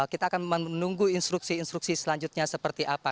kita akan menunggu instruksi instruksi selanjutnya seperti apa